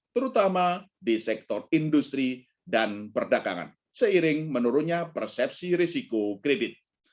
terutama di sektor industri dan perdagangan seiring menurunnya persepsi risiko kredit